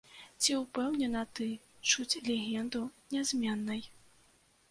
Ці ўпэўнена ты, чуць легенду нязменнай?